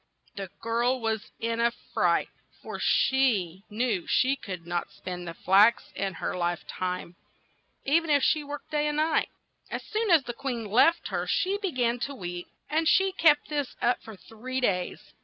The girl was in a fright, for she knew she could not spin the flax in her life time, e ven if she worked day and night. As soon as the queen left her she be gan to weep, and she kept this up for three days.